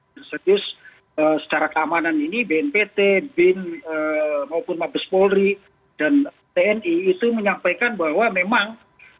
dan secara keamanan ini bnpt bin maupun mabes polri dan tni itu menyampaikan bahwa memang